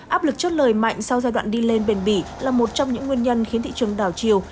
áp lực chốt lời mạnh sau giai đoạn đi lên bền bỉ là một trong những nguyên nhân khiến thị trường đảo chiều